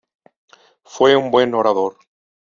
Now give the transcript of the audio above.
Fue un buen orador.